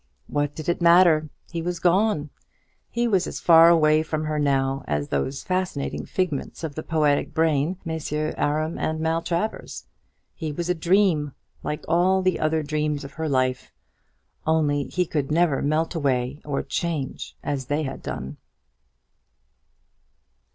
What did it matter? He was gone! He was as far away from her life now as those fascinating figments of the poetic brain, Messrs. Aram and Maltravers. He was a dream, like all the other dreams of her life; only he could never melt away or change as they had done.